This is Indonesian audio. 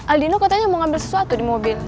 aldino katanya mau ngambil sesuatu di mobil